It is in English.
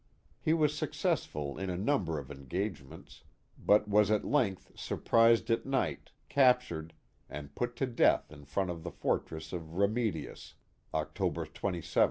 He was successful in a number of engagements, but was at length surprised at night, captured, and put to death in front of the Fortress of Remedias, October 27, 1817.